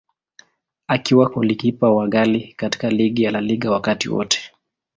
Akiwa golikipa wa ghali katika ligi ya La Liga wakati wote.